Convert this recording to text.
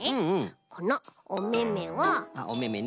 このおめめをあっおめめね。